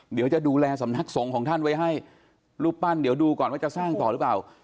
เดี๋ยวจะดูแลสำนักสงฆ์ของท่านไว้ให้รูปปั้นเดี๋ยวดูก่อนว่าจะสร้างต่อหรือเปล่า